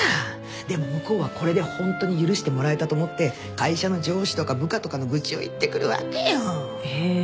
でも向こうはこれでホントに許してもらえたと思って会社の上司とか部下とかの愚痴を言ってくるわけよ。へ。